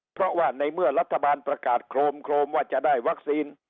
เพราะว่าในเมื่อรัฐบาลประกาศโครมว่าจะได้วัคซีน